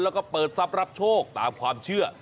แล้วก็เปิดทรัพย์รับโชคตามความเชื่อ